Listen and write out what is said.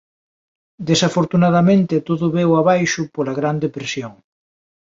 Desafortunadamente todo veu a baixo pola gran depresión.